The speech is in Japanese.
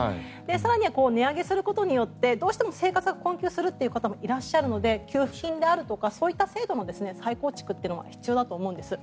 更には値上げすることによってどうしても生活が困窮する方もいらっしゃるので給付金であるとかそういった制度も再構築というのが必要だと思うんです。